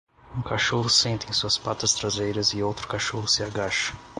Um cachorro senta em suas patas traseiras e outro cachorro se agacha.